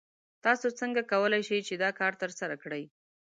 تاسو څنګه کولی شئ چې دا کار ترسره کړئ؟